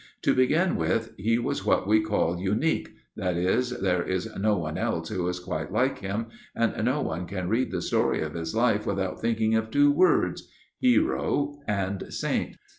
To begin with, he was what we call 'unique' that is, there is no one else who is quite like him, and no one can read the story of his life without thinking of two words, 'Hero' and 'Saint.